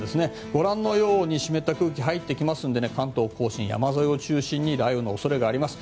ご覧のように湿った空気が入ってくるので関東・甲信山沿いを中心に雷雨の恐れがあります。